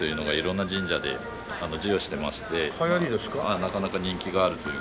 なかなか人気があるという。